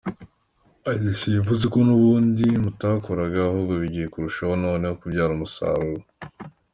Ati “Simvuze ko n’ubundi mutakoraga, ahubwo bigiye kurushaho noneho kubyara umusaruro.